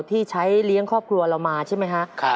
ที่ใช้เลี้ยงครอบครัวเรามาใช่ไหมครับ